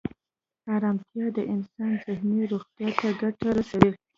ارامتیا د انسان ذهني روغتیا ته ګټه رسوي.